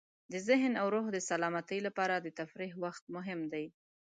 د ذهن او روح د سلامتۍ لپاره د تفریح وخت مهم دی.